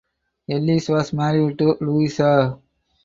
Ellis was married to Louisa.